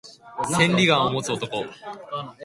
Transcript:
千里眼を持つ男